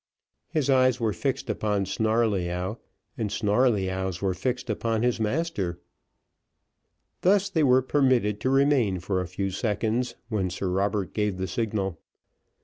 His eyes were fixed upon Snarleyyow, and Snarleyyow's were fixed upon his master, thus they were permitted to remain for a few seconds, when Sir Robert gave the signal.